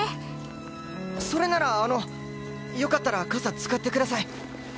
それならあのよかったら傘使ってください。